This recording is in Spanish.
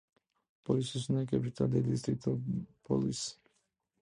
Police es una capital de distrito Police.